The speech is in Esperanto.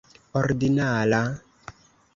ordinara